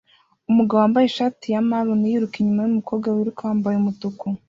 Umugabo wambaye ishati ya maroon yiruka inyuma yumukobwa wiruka wambaye umutuku